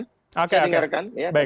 saya dengarkan ya